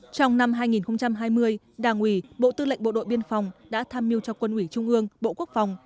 trong năm hai nghìn hai mươi đảng ủy bộ tư lệnh bộ đội biên phòng đã tham mưu cho quân ủy trung ương bộ quốc phòng